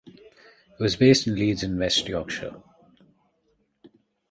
It was based in Leeds in West Yorkshire.